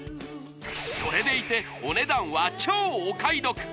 それでいてお値段は超お買い得！